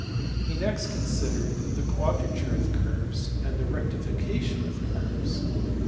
He next considered the quadrature of curves, and the rectification of curvesf.